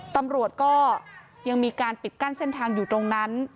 ตำรวจก็ยังมีการปิดกั้นเส้นทางอยู่ตรงนั้น